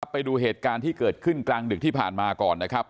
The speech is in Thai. ไปดูเหตุการณ์ที่เกิดขึ้นกลางดึกที่ผ่านมาก่อนนะครับ